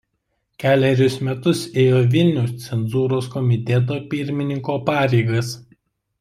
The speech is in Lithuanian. Kelerius metus ėjo Vilniaus cenzūros komiteto pirmininko pareigas.